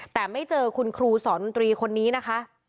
แต่ไม่เจอคุณครูสอนดนตรีคนนี้นะคะ